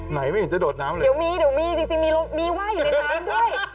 ไหนไม่เห็นจะโดดน้ำเลยเดี๋ยวมีจริงมีว่ายอยู่ในน้ำด้วย